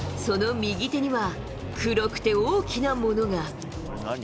その右手には、黒くて大きなものが。